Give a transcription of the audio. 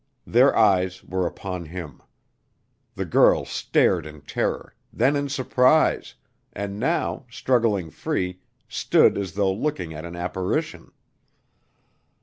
Their eyes were upon him. The girl stared in terror, then in surprise, and now, struggling free, stood as though looking at an apparition.